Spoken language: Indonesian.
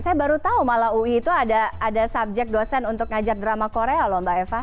saya baru tahu malah ui itu ada subjek dosen untuk ngajar drama korea loh mbak eva